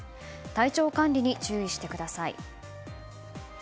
体調管理に注意してください。